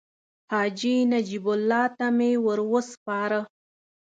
حاجي نجیب الله ته مې ورو سپاره.